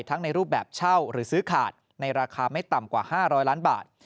ในรูปแบบเช่าหรือซื้อขาดในราคาไม่ต่ำกว่า๕๐๐ล้านบาท